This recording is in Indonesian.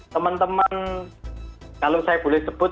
teman teman kalau saya boleh sebut